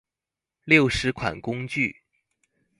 六十款工具